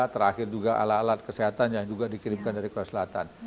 terakhir juga alat alat kesehatan yang juga dikirimkan dari korea selatan